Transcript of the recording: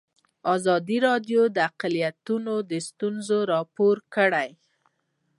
ازادي راډیو د اقلیتونه ستونزې راپور کړي.